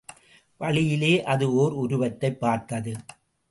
வழியிலே அது ஒர் உருவத்தைப் பார்த்தது.